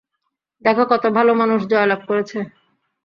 দেখ কত ভালো মানুষ জয় লাভ করেছে।